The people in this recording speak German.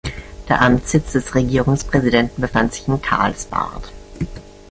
Der Amtssitz des Regierungspräsidenten befand sich in Karlsbad.